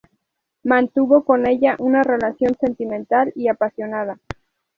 Mantuvo con ella una relación sentimental y apasionada.